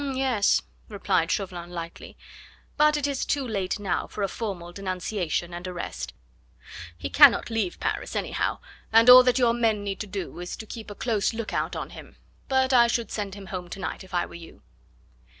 "M'yes!" replied Chauvelin lightly; "but it is too late now for a formal denunciation and arrest. He cannot leave Paris anyhow, and all that your men need to do is to keep a close look out on him. But I should send him home to night if I were you."